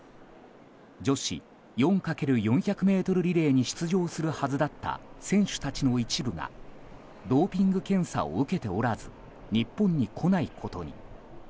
女子４×４００ｍリレーに出場するはずだった選手たちの一部がドーピング検査を受けておらず日本に来ないことに。